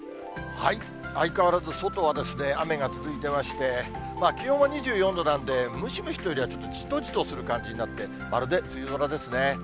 相変わらず外は雨が続いてまして、気温は２４度なんで、ムシムシというよりは、ちょっとじとじとするような感じになって、まるで梅雨空ですね。